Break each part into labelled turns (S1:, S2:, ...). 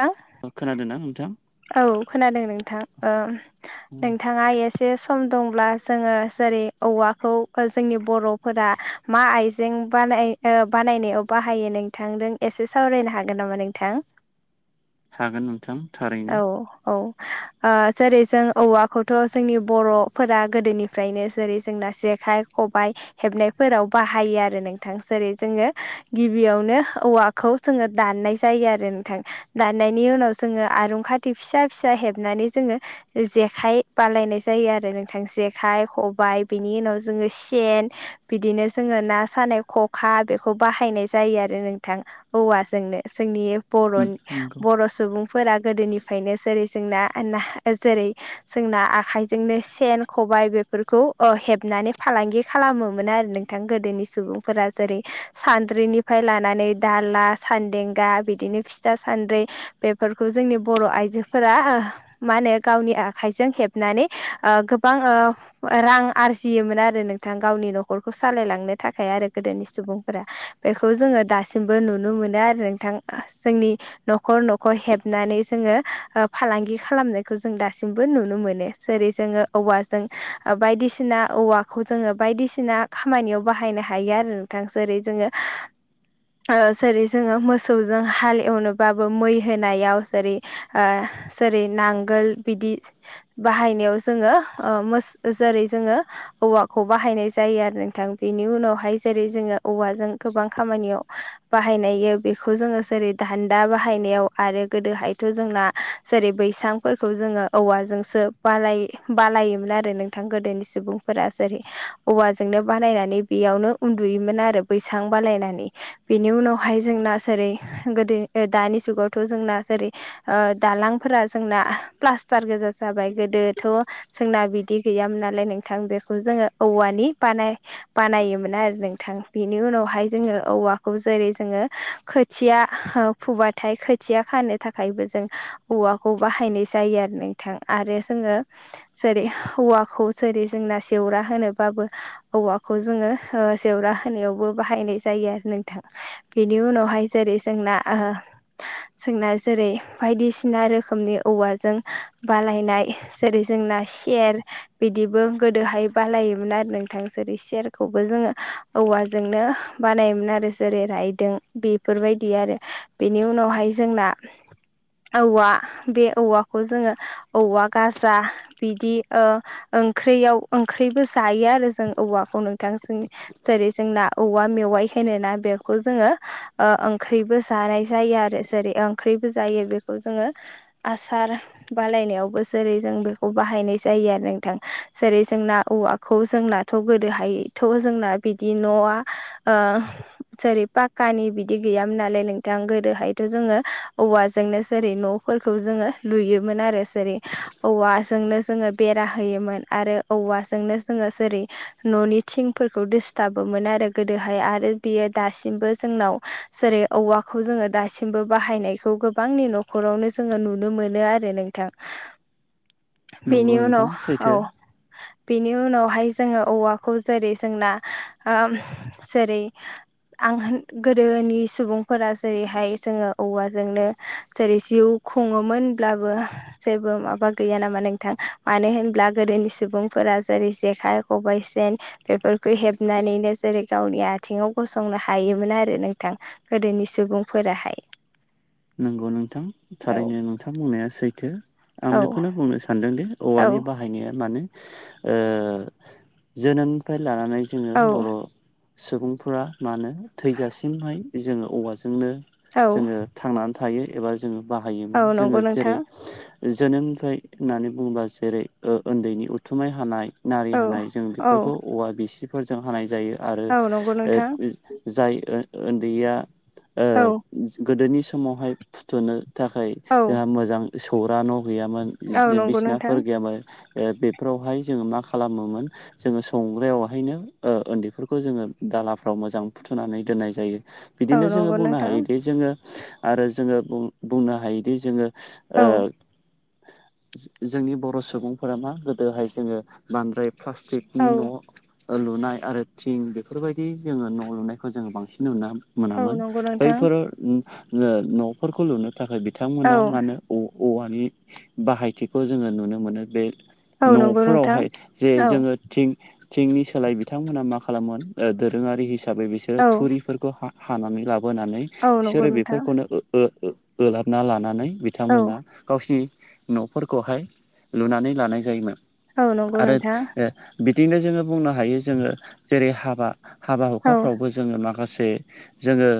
S1: हा
S2: अ खोनादोंना नोंथां?
S1: औ खोनादों नोंथां ओ नोंथाङा ए सम दंब्ला जोङो जेरै औवाखौ जोंनि बर'फोरा मा आइजें बानाय ओ बानायनायाव बाहायो नोंथांजों एसे सावरायनो हागोन नामा नोंथां?
S2: हागोन नोंथां थारैनो
S1: औ औ ओ जेरै जों औवाखौथ' जोंनि बर'फोरा गोदोनि ओमफ्रायनो जेरै जोंना जेखाइ खबाइ हेबनायफोराव बाहायो आरो नोंथां जेरै जोङो गिबियावनो औवा खौ जोङो दाननाय जायो आरो नोंथां दाननायनि उनाव जोङो आरं खाथि फिसा फिसा हेबनानै जोङो जेखाइ बानायायनाय जायो आरो नोंथां जेखाइ खबाइ बेनि उनाव जोङो सेन बिदिनो जोङो ना सानाय ख'खा बेखौ बाहायनाय जायो आरो नोंथां औवा जोंनो जोंनि बर'नि
S2: नंगौ
S1: बर' सुबुं फोरा गोदोनिफ्रायनो जेरै जोंना जेरै जोंना आखाइजोंनो सेन खबाय बेफोरखौ ओ हेबनानै फालांगि खालामोमोन आरो नों थां गोदोनि सुबुंफोरा जेरै सानद्रिनिफ्राय लानानै दाला सान्देंगा बिदिनो फि था सान्द्रि बेफोरखौ जोंनि बर' आइजोफोरा मा होनो गावनि आखाइजों हेबनानै ओ गोबां ओ रां आरजियोमोन आरो नोंथां गावनि न'खरखौ सालायलांनो थाखाय आरो गोदोनि सुबुं फोरा बेखौ जोङो दासिमबो नुनो मोनो आरो नोंथां जोंनि न'खर नख खौ हेबनानै जोङो फालांगि खालामनायखौ जों दासिमबो नुनो मोनो जेरै जोङो औवाजों बायदिसिना औवाखौ जोङो बायदिसिना खामानियाव बाहायनो हायो आरो नोंथां जेरै जोङो ओ जेरै जोङो मोसौजों हाल एवनोबाबो मै होनायाव जेरै ओ जेरै नांगोल बिदि बाहायनायाव जोङो ओ जेरै जोङो औवाखौ बाहायनाय जायो आरो नोंथां बेनि उनावहाय जेरै जोङो औवाजों गोबां खामानियाव बाहायनायो बेखौ जोङो जेरै दान्दा बाहायनायाव आरो गोदोहायथ' जोंना जेरै बैसांफोरखौ जोङो औवाजोंसो बा बानायोमोन आरो नोंथां गोदोनि सुबुंफोरा जेरै औवाजोंनो बानायनानै बेयावनो उन्दुयोमोन आरो बैसां बानायनानै बेनि उनावहाय जोंना जेरै गोदो दानि जुगावथ' जोंना जेरै ओ दालांफोरा जोंना प्लास्टार गोजा जाबाय गोदोथ' जोंना बिदि गैयामोन नालाय नोंथां बेखौ जोङो औवानि बानाय बानायोमोन आरो नोंथां बेनि उनावहाय जोङो औवाखौ जेरै जोङो खोथिया फुबाथाय खो थिया खानो थाखायबो जों औवाखौ बाहायनाय जायो आरो नोंथां आरो जोङो जेरै औवाखौ जेरै जोंना सेवरा होनोबाबो औवाखौ जोङो ओ जेवरा होनायावबो बाहायनाय जायो नोंथां। बेनि उनावहाय जेरै जोंना ओ जोंना जेरै बायदिसिना रोखोमनि औवाजों बानायनाय। जेरै जोंना सेर बिदिबो गोदोहाय बालायोमोन आरो नोंथां जेरै सियारखौबो जोङो औवाजोंनो बानायोमोन आरो जेरै रायदों बेफोरबायदि आरो बेनि उनावहाय जोंना औवा बे औवाखौ जोङो औवा गाजा बिदि ओ ओंख्रियाव ओंख्रिबो जायो आरो जों औवाखौ नोंथां जों जेरै जोंना औवा मेवाइ होनो ना बेखौ जोङो ओ ओंख्रिबो जानाय जायो आरो जेरै ओंख्रिबो जायो बेखौ जोङो आसार बानाय नायावबो जेरै जों बेखौ बाहायनाय जायो आरो नोंथां जेरै जोंना औवा खौ जोंनाथ' गोदोहायथ' जोंना बिदि न'आ ओ जेरै पाक्कानि बिदि गैयामोन नालाय नोंथां गोदोहाय थ जोङो औवाजोंनो जेरै न'फोरखौ जोङो लुयोमोन आरो जेरै औवाजोंनो जोङो बेरा होयोमोन आरो औवाजोंनो जोङो जेरै न'नि थिंफोरखौ दोसथाबोमोन आरो गोदोहाय आरो बियो दासिमबो जोंनाव जेरै औवाखौ जोङो दासिम बो बाहायनायखौ गोबांनि न'खरावनो जोङो नुनो मोनो आरो नोंथां।
S2: नंगौ
S1: बेनि
S2: नोंथां
S1: उनाव औ
S2: सैथो
S1: बेनि उनावहाय जोङो औवाखौ जेरै जोंना ओम जेरै आं गोदोनि सुबुंफोरा जेरैहाय जोङो औवाजोंनो जेरै जिउ खुङोमोनब्लाबो जेबो माबा गैया नामा नोंथां मानो होनब्ला गोदोनि सुबुंफोरा जेरै जेखाइ, खबाइ, सेन बेफोरखौ हेबनानैनो जेरै गावनि आथिङाव गसंनो हायोमोन आरो नोंथां। गोदोनि सुबुंफोराहाय
S2: नंगौ नोंथां
S1: औ
S2: थारैनो नोंथां बुंनाया सैथो आं
S1: औ
S2: बेखौनो बुंनो सानदोंदि औवानि
S1: औ
S2: बाहायनाया माने ओ जोनोमनिफ्राय लानानै जोङो
S1: औ
S2: बर' सुबुंफोरा मानो थैजासिमहाय जोङो औवाजोंनो
S1: औ
S2: जोङो थांनानै थायो एबा जोङो
S1: औ
S2: बाहायोमोन
S1: नंगौ
S2: जोङो जेरै
S1: नोंथां
S2: जोनोमनिफ्राय होननानै बुङोबा जेरै ओ उन्दैनि उथुमाय हानाय नारि
S1: औ
S2: हानाय जों
S1: औ
S2: बेफोरखौ औवा बिसिफोरजों हानाय जायो। आरो
S1: औ नंगौ नोंथां
S2: [unintelligible] जाय ओ उन्दैया ओ
S1: औ
S2: गोदोनि समावहाय फुथुनो थाखाय
S1: औ
S2: जोंहा मोजां सौरा न' गैयामोन
S1: औ
S2: बिदिनो
S1: नंगौ
S2: बिसिनाफोर
S1: नोंथां
S2: गैयामोन ओ बेफोरावहाय जोङो मा खालामोमोन जोङो संग्रायावहायनो ओ उन्दैफोरखौ जोङो दालाफ्राव मोजां फुथुनानै दोननाय जायो।
S1: औ
S2: बिदिनो जोङो
S1: नंगौ
S2: बुंनो
S1: नोंथां
S2: हायोदि जोङो आरो जोङो बुं-बुंनो हायोदि जोङो
S1: औ।
S2: ओ जोंनि बर' सुबुंफोरा मा गोदोहाय जोङो बांद्राय
S1: औ
S2: प्लास्टिकनि न ओ लुनाय आरो थिं बेफोरबायदि जोङो न लुनायखौ जोङो बांसिन नुनो
S1: औ
S2: मोनामोन
S1: नंगौ नोंथां
S2: बैफोराव नफोरखौ लुनो थाखाय
S1: औ
S2: बिथांमोना मानो अ-औवानि बाहायथिखौ जोङो नुनो मोनो बे
S1: औ नंगौ नोंथां
S2: नफोरावहाय जे
S1: औ
S2: जोङो थिं थिंनि सोलाय बिथांमोनहा मा खालामोन ओ दोरोङारि हिसाबै बिसोरो
S1: औ
S2: थुरिफोरखौ हा हानानै लाबोनानै
S1: औ नंगौ नोंथां
S2: [unintelligible] लाबोना लानानै
S1: औ
S2: बिथांमोना गावसिनि न'फोरखौहाय लुनानै लानाय जायोमोन।
S1: औ नंगौ
S2: आरो
S1: नोंथां औ
S2: ओ बिदिनो जोङो बुंनो हायो जोङो जेरै हाबा हाबा हुखाफ्रावबो जोङो माखासे जोङो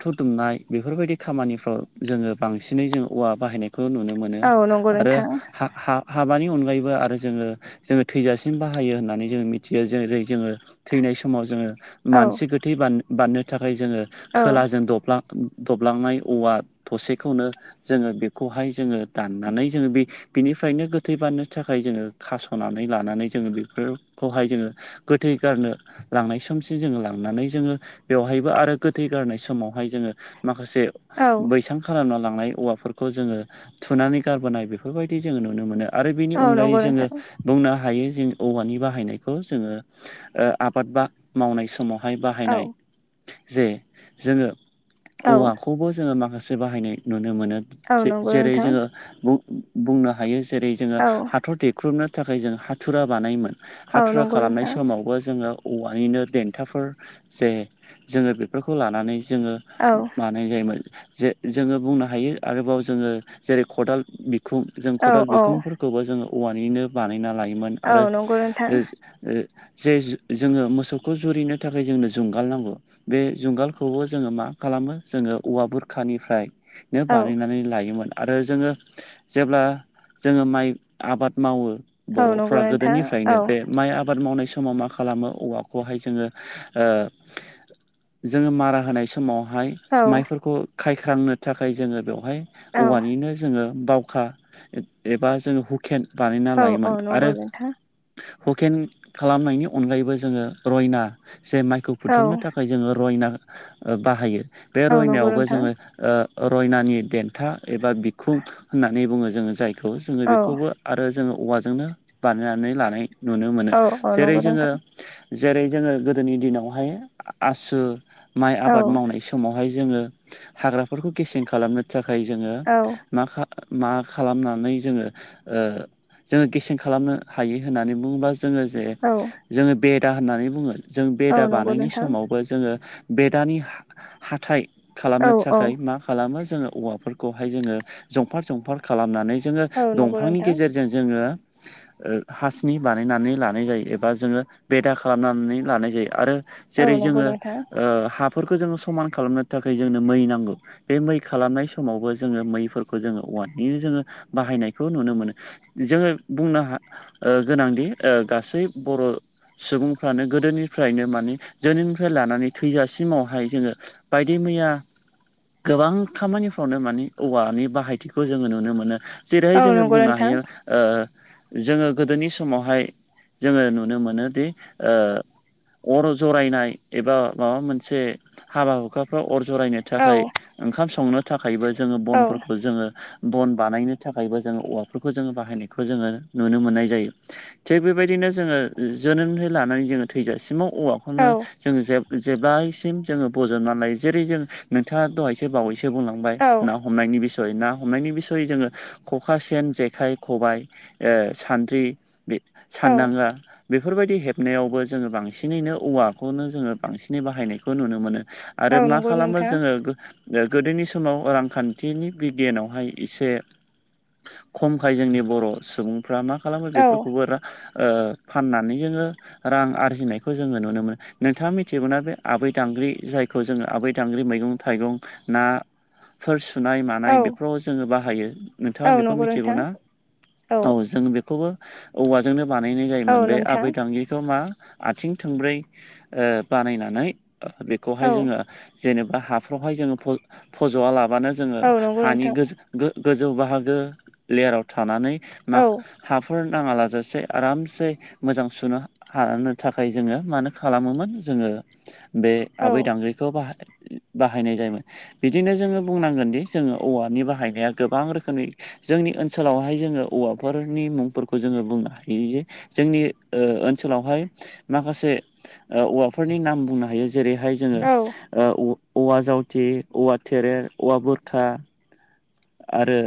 S2: बाथु दुमनाय बेफोरबायदि खामानिफ्राव जोङो बांसिनै जों औवा बाहायनाय खौ नुनो मोनो
S1: औ नंगौ
S2: आरो
S1: नोंथां
S2: हा हा हाबानि अनगायैबो आरो जोंङो जोंङो थैजासिम बाहायो होननानै जोंङो मिथियो जेरै जोंङो थैनाय समाव जोंङो मानसि
S1: औ
S2: गोथै बान बाननो थाखाय जोंङो
S1: औ
S2: खोला जों दब्लां दब्लांनाय औवा थसेखौनो जोंङो बेखौहाय जोंङो दाननानै जोंङो बे बिनिफ्रायनो गोथै बाननो थाखाय जोंङो खास'नानै लानानै जोंङो बेफोरखौहाय जोंङो गोथै गारनो लांनाय समसि जोंङो लांनानै जोंङो बेवहायबो आरो गोथै गारनाय स समावहाय जोंङो माखासे
S1: औ
S2: बैसां खालामना लांनाय औवाफोरखौ जोंङो थुनानै गारबोनाय बेफोरबायदि जोंङो नुनो मोनो। आरो बेनि
S1: औ नंगौ
S2: अनगायै जोंङो
S1: नोंथां
S2: बुंनो हायो जों औवानि बाहायनायखौ जोंङो ओ आबाद बा मावनाय समाव हाय बाहायनाय
S1: औ
S2: जे जोंङो
S1: औ
S2: औवा खौबो जोंङो माखासे बाहायनाय नुनो मोनो
S1: औ
S2: जे
S1: नंगौ नोंथां
S2: जेरै जोंङो बु बुंनो हायो जेरै जोंङो
S1: औ
S2: हाथर देख्रुबनो थाखाय जों हाथुरा बानायोमोन।
S1: औ
S2: हाथुरा खालामनाय
S1: नंगौ
S2: समावबो जोंङो औवानिनो देन्थाफोर जे जोंङो बेफोरखौ लानानै जोंङो
S1: नोंथां
S2: बा नाय जायोमोन जे जोंङो बुंनो हायो आरोबाव जोंङो जेरै खदाल बिखुं। जों
S1: औ औ
S2: खदाल बिखुंफोरखौबो जोंङो औवानिनो बानायना लायोमोन
S1: औ
S2: आरो
S1: नंगौ नोंथां
S2: ओ ज ओ जे जु जोंङो मोसौखौ जुरिनो थाखाय जोंनो जुंगाल नांगौ बे जुंगालखौ खौबो जोंङो मा खालामो जोंङो औवा बुरखानिफ्राय नो
S1: औ
S2: बानायनानै लायोमोन। आरो जोंङो जेब्ला जोंङो माइ आबाद मावो
S1: औ नंगौ
S2: बर'फ्रा
S1: नोंथां औ
S2: गोदोनिफ्रायनो बे माइ आबाद मावनाय समाव मा खालामो औवाखौहाय जोंङो ओ जोंङो मारा होनाय समावहाय
S1: औ
S2: माइफोरखौ खायख्रांनो थाखाय जोंङो बेवहाय
S1: औ
S2: औवानिनो जोंङो बावखा एबा जोंङो हुकेन बानायना
S1: औ औ
S2: लायोमोन
S1: नंगौ
S2: आरो
S1: नोंथां
S2: हुकेन खालामनायनि अनगायैबो जोंङो रयना जे माइखौ
S1: औ
S2: फुथुमनो था खाय जोंङो रयना ओ बाहायो बे
S1: औ नंगौ
S2: रयनायावबो
S1: नोंथां
S2: जोंङो ओ रयनानि देन्था एबा बिखुं होननानै बुंङो जोंङो जायखौ जोंङो
S1: औ
S2: बेखौबो आरो जोंङो औवाजोंनो बानायनानै लानाय नुनो मोनो
S1: औ औ
S2: जेरै
S1: नंगौ
S2: जोंङो
S1: नोंथां
S2: जेरै जोंङो गोदोनि दिनावहाय आसु माइ
S1: औ
S2: आबाद मावनाय स समावहाय जोंङो हाग्राफोरखौ गेसें खालामनो थाखाय जोंङो
S1: औ
S2: माखा मा खालामनानै जोंङो ओ जोंङो गेसें खालामनो हायो होननानै बुंङोबा जोंङो जे
S1: औ
S2: जोंङो बेदा होननानै बुंङो। जों
S1: औ
S2: बेदा
S1: नंगौ
S2: बानायनाय
S1: नोंथां
S2: समावबो जोंङो बेदानि हा हाथाय
S1: औ
S2: खालामनो
S1: औ
S2: थाखाय मा खालामो जोंङो औवाफोर खौहाय जोंङो जंफार जंफार खालामनानै जोंङो
S1: औ नंगौ
S2: दंफांनि
S1: नोंथां
S2: गेजेरजों जोंङो ओ हासनि बानायनानै लानाय जायो एबा जोंङो बेदा खालामनानै लानाय जायो आरो
S1: औ
S2: जेरै
S1: नंगौ
S2: जोंङो
S1: नोंथां
S2: ओ हाफोरखौ जोंङो समान खालामनो थाखाय जोंनो मै नांगौ। बे मै खालामनाय समावबो जोंङो मैफोरखौ जोंङो औवानिनो जोंङो बाहायनायखौ नुनो मोनो। जोंङो बुंनो हा ओ गोनांदि ओ गासै बर' सुबुंफ्रानो गोदोनिफ्रायनो माने जोनोमनिफ्राय लानानै थैजासिमावहाय जोंङो बायदि मैया गोबां खामानिफ्रावनो माने औवानि बाहायथिखौ जोंङो नुनो मोनो। जेरैहाय
S1: औ
S2: जोंङो
S1: नंगौ
S2: बुंनो
S1: नोंथां
S2: हायो ओ जोङो गोदोनि समावहाय जोङो नुनो मोनोदि ओ अर जरायनाय एबा माबा मोनसे हाबा हुखा फ्राव अर जरायनो
S1: औ
S2: थाखाय ओंखाम संनो थाखायबो जोंङो
S1: औ
S2: बनफोरखौ जोंङो बन बानायनो थाखायबो जोंङो औवाफोरखौ जोंङो बाहायनायखौ जोंङो नुनो मोननाय जायो। थिग बेबायदिनो जोंङो जोनोमनिफ्राय लानानै जोंङो थैजासिमाव
S1: औ
S2: औवाखौनो जोंङो जेब जेब्लायसिम जोंङो बजबनानैलायो जेरै जों नोंथांङा दहायसो बावैसो बुंलांबाय
S1: औ
S2: नाव हमनायनि बिसय ना हमनायनि बिसयै जोङो खखा, सेन, जेखाइ, खबाय ओ सान्द्रि बे
S1: औ
S2: सान्दांगा बेफोरबायदि हेबनायावबो जोङो बांसिनैनो औवाखौनो जोङो बांसिनै बाहायनायखौ नुनो मोनो
S1: औ
S2: आरो मा
S1: नंगौ
S2: खालामो
S1: नोंथां
S2: जोङो ओ गोदोनि समाव रांखान्थिनि बिगियानावहाय एसे खमखाय जोंनि बर' सुबुंफ्रा मा खालामो
S1: औ
S2: बेफोरखौबो रा ओ फाननानै जोङो रां आरजिनायखौ जोङो नुनो मोनो नोंथाङा मि थियोमोनाबे आबै दांग्रि जायखौ जोङो आबै दांग्रि मैगं थाइगं ना फोर सुनाय
S1: औ
S2: मानाय बेफोराव जोङो बाहायो
S1: औ
S2: नोंथाङा बेखौ
S1: नंगौ नोंथां
S2: मिथिगौ ना? औ जों बेखौबो औवाजोंनो बानायनाय
S1: औ
S2: जायोमोन बे
S1: नोंथां
S2: आबै थांगिखौ मा आथिं थोंब्रै ओ बानायनानै बेखौहाय जोङो
S1: औ
S2: जेनेबा हाफ्रावहाय जोङो फज फजवालाबानो जोङो
S1: औ नंगौ
S2: हानि
S1: नोंथां
S2: गोजौ गो-गोजौ बाहागो लेयाराव थानानै मा
S1: औ
S2: हाफोर नाङा लाजासे आरामसे मोजां सुनो हानो थाखाय जोङो मानो खालामोमोन जोङो बे
S1: औ
S2: आबै दांग्रिखौ खौ बाहाय बाहायनाय जायोमोन। बिदिनो जोङो बुंनांगोन दि जों औवानि बाहायनाया गोबां रोखोमनि जोंनि ओनसोलावहाय जोङो औवा फोरनि मुंफोरखौ जोङो बुंनो हायो जे जोंनि ओ-ओनसोलावहाय माखासे औवाफोरनि नाम बुंनो हायो जेरैहाय जोङो
S1: औ
S2: ओ औवा जावथि, औवा थेरे, औवा बोरखा आरो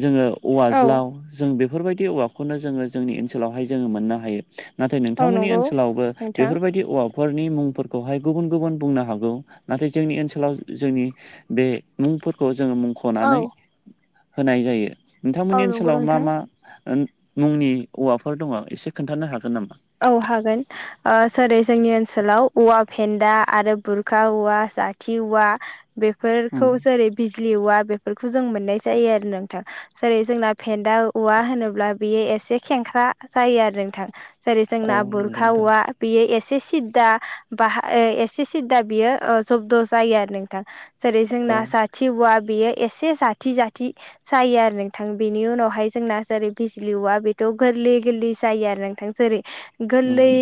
S2: जोङो औवाज्लाव जों बे बेफोरबायदि औवाखौनो जोङो जोंनि ओनसोलावहाय जोङो मोननो हायो। नाथाय
S1: औ
S2: नोंथांमोननि
S1: नंगौ
S2: ओनसोलावबो
S1: नोंथां
S2: बेफोरबायदि औवा फोरनि मुंफोरखौहाय गुबुन गुबुन बुंनो हागौ नाथाय जोंनि ओनसोलाव जोंनि बे मुंफोरखौ जोङो
S1: औ
S2: मुंख'नानै होनाय जायो
S1: औ
S2: नोंथांमोननि
S1: नंगौ
S2: ओनसोलाव मा
S1: नोंथां
S2: मा ओन मुंनि औवाफोर दङ एसे खोन्थानो हागोन नामा?
S1: औ हागोन। ओ जेरै जोंनि ओनसोलाव औवा फेन्दा आरो बुरखा औवा जाथि औवा बेफोरखौ जेरै बिजलि औवा बेफोरखौ जों मोननाय जायो आरो नोंथां। जेरै जोंना फेदा औवा होनोब्ला बेयो एसे खेंख्रा जायो आरो नोंथां। जेरै
S2: औ
S1: जोंना
S2: नंगौ
S1: बुरखा
S2: नोंथां
S1: औवा बियो एसे सिद्दा बा एसे सिद्दा बियो ओ जब्द' जायो आरो नोंथां। जेरै जोंना
S2: औ
S1: जाथि औवा बेयो एसे जाथि जाथि जायो आरो नोंथां बेनि उनावहाय जोंना जेरै बिजलि औवा बेथ' गोरलै गोरलै जायो आरो नोंथां। जेरै
S2: नंगौ
S1: गोरलै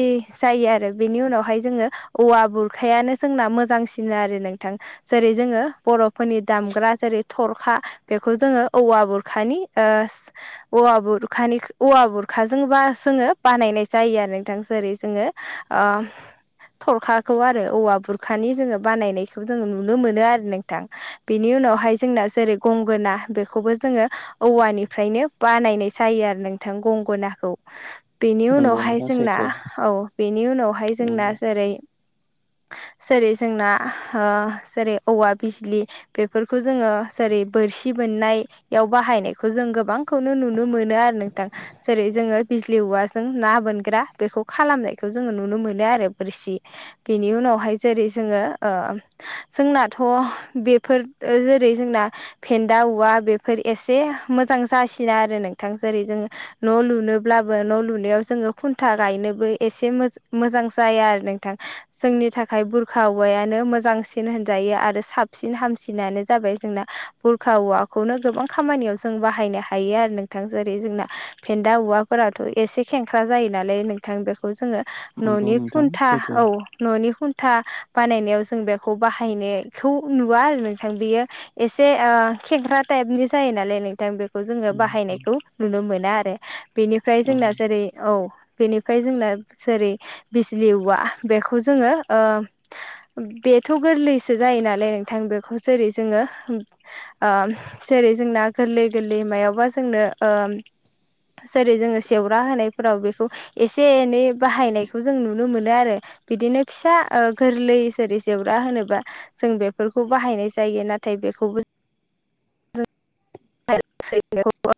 S1: जायो आरो बेनि उनावहाय जोङो औवा बुरखायानो जोंना मोजांसिन आरो नोंथां। जेरै जोङो बर'फोरनि दामग्रा जेरै थरखा बेखौ जोङो औवा बुरखानि ओ औवा बुरखानि औवा बुरखाजों बा जोङो बानायनाय जायो आरो नोंथां जेरै जोङो ओ थरखाखौ आरो औवा बुरखानि जोङो बानायनायखौ जोङो नुनो मोनो आरो नोंथां। बेनि उनावहाय जोंना जेरै गंगोना बेखौबो जोङो औवानिफ्रायनो बानायनाय जायो आरो नोंथां गंगनाखौ। बेनि
S2: नंगौ
S1: उनावहाय
S2: नोंथां
S1: जोंना
S2: सैथो
S1: औ बेनि उनावहाय जोंना
S2: नंगौ।
S1: जेरै जेरै जोंना ओ जेरै औवा बिजलि बेफोरखौ जोङो जेरै बोरसि बोननाय बेयाव बाहायनायखौ जों गोबांखौनो नुनो मोनो आरो नोंथां जेरै जोङो बिजलि औवा जों ना बोनग्रा बेखौ खालामनायखौ जोङो नुनो मोनो आरो बोरसि बेनि उनावहाय जेरै जोङो ओ जोंनाथ' बेफोर जेरै जोंना फेन्दा औवा बेफोर एसे मोजां जासिनो आरो नोंथां जेरै जों न' लुनोब्लाबो न' लुनो बेयाव जोङो खुन्था गायनोबो एसे मो मोजां जाया आरो नोंथां जोंनि थाखाय बुरखा औवायानो मोजांसिन होनजायो आरो साबसिन हामसिनानो जाबाय जोंना बुरखा औवाखौनो गोबां खामानियाव जों बाहायनो हायो आरो नोंथां जेरै जोंना फेन्दा औवाफोराथ' एसे खेंख्रा जायो नालाय नोंथां बेखौ जोङो
S2: नंगौ
S1: न'नि
S2: नोंथां
S1: खुन्था
S2: सैथो।
S1: औ न'नि खुन्था बानायनायाव जों बेखौ बाहायनायखौ नुवा आरो नोंथां बेयो एसे खेंख्रा टाइप नि जायो नालाय नों बेखौ जोङो बाहायनायखौ नुनो मोना आरो बेनिफ्राय
S2: औ
S1: जोंना जेरै औ बेनिफ्राय जोंना जेरै बिजलि औवा बेखौ जोङो ओ बेथ' गोरलैसो जायो नालाय नोंथां बेखौ जेरै जोङो ओम जेरै जोंना गोरलै गोरलै मायावबा जोंनो ओ जेरै जोङो सेव दा होनायफोराव बेखौ एसे एनै बाहायनायखौ जों नुनो मोनो आरो बिदिनो फिसा गोरलै जेरै जेवरा होनोबा जों बेफोरखौ बाहायनाय जायो नाथाय बेखौबो ना थाय बे खौ बो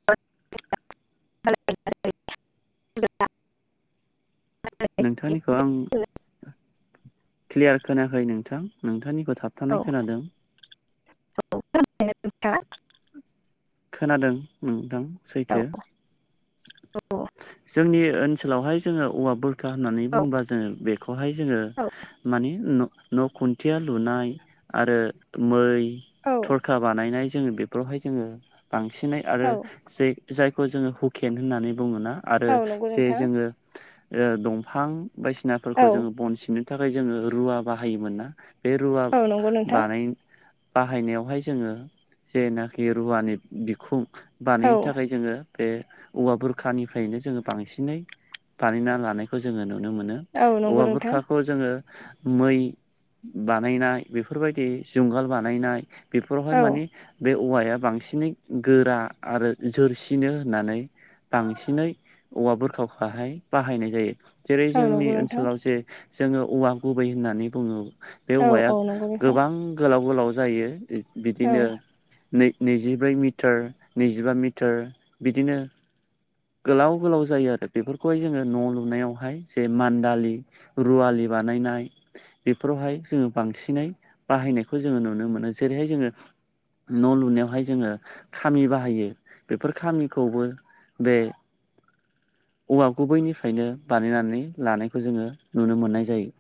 S2: नोंथांनिखौ आं क्लियार खोनायाखै नोंथां नोंथांनिखौ
S1: औ
S2: थाबथानाय खोनादों
S1: औ नोंथां
S2: खोनादों नोंथां सैथो
S1: औ
S2: जोंनि ओनसोलावहाय जोङो औवा बु खा होननानै बुङोबा जोङो बेखौहाय जोङो मानि न न' खुन्थिया लुनाय आरो मै
S1: औ
S2: थरखा बानायनाय जोङो बे बेवहाय जोङो बांसिनै आरो
S1: औ
S2: जे जायखौ जोङो हुकेन होननानै बुङोना आरो
S1: औ नंगौ
S2: जे
S1: नोंथां
S2: जोङो ओ दंफां बायदिसिनाफोरखौ
S1: औ
S2: जोङो बन सिनो नि थाखाय जोङो रुवा बाहायोमोन ना बे रुवा
S1: औ नंगौ नोंथां
S2: बानाय बाहायनायावहाय जोङो जेनाखि रुवानि बिखुं
S1: औ
S2: बानायनो थाखाय जोङो बे औवा बुरखानिफ्रायनो जोङो बांसिनै बानायना लानायखौ जोङो नुनो मोनो
S1: औ नंगौ
S2: औवा
S1: नोंथां
S2: बुरखा ख' जोङो मै बानायनाय बेफोरबायदि जुंगाल बानायनाय बेफोरावहाय
S1: औ
S2: मानि बे औवाया बांसिनै गोरा आरो जोरसिनो होननानै बांसिनै औवा बुरखाखौहाय बाहायनाय जायो जेरै
S1: औ
S2: जोंनि
S1: नंगौ नोंथां
S2: ओनसोलाव जे जोङो औवा गुबै होननानै बुङो बे
S1: औ औ
S2: औवाया
S1: नंगौ नोंथां
S2: गोबां गोलाव गोलाव जायो बि
S1: औ
S2: बिदिनो नै नैजिब्रै मिटार नैजिबा मिटार बिदिनो गोलाव गोलाव जायो आरो बेफोरखौहाय जोङो न' लुनायावहाय जे मान्दालि रुवालि बानायनाय बेफोरावहाय जोङो बांसिनै बाहायनायखौ जोङो नुनो मोनो जेरैहाय जोङो न' लुनायावहाय जोङो खामि बाहायो बेफोर खामिखौबो बे औवा गुबैनिफ्रायनो बानायनानै लानायखौ जोङो नुनो मोननाय जायो।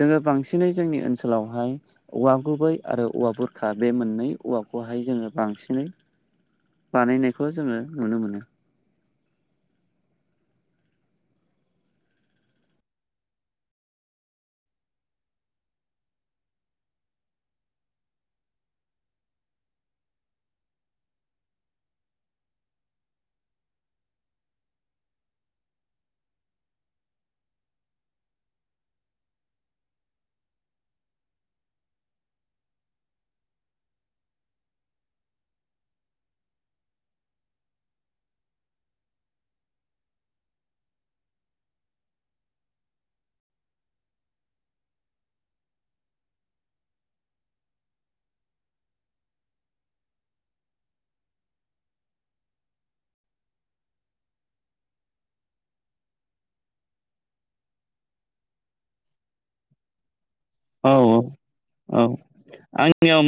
S2: जोङो बांसिनै जोंनि ओनसोलावहाय औवा गुबै आरो औवा बुरखा बे मोननै औवाखौहाय जोङो बांसिनै बाहायनायखौ जोङो नुनो मोनो। औ औ औ आंनियाव